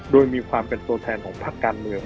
โดยมีความเป็นตัวแทนของภาคการเมือง